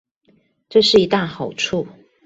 這是一大好處